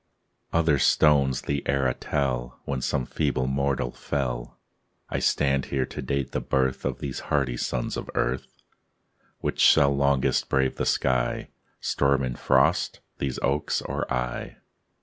Other stones the era tell When some feeble mortal fell; I stand here to date the birth Of these hardy sons of earth. Which shall longest brave the sky, Storm and frost these oaks or I?